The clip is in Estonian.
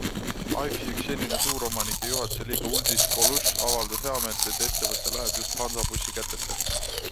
AIPSi üks senine suuromanik ja juhatuse liige Uldis Kolužs avaldas heameelt, et ettevõte läheb just Hansabussi kätesse.